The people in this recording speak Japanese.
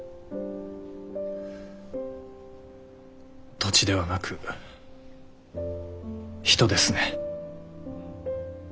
土地ではなく人ですね。